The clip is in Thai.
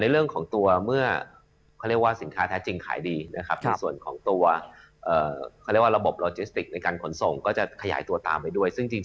เรื่องของตัวเมื่อเขาเรียกว่าสินค้าแท้จริงขายดีนะครับในส่วนของตัวเขาเรียกว่าระบบโลจิสติกในการขนส่งก็จะขยายตัวตามไปด้วยซึ่งจริง